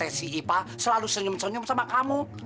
eh si ipah selalu senyum senyum sama kamu